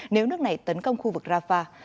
nếu nước này tấn công khu vực rafah